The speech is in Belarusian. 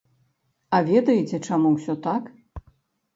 А ведаеце, чаму ўсё так?